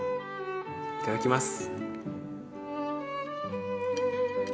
いただきます。